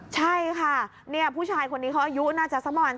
ใช่ค่ะผู้ชายคนนี้เขาอายุน่าจะสักประมาณ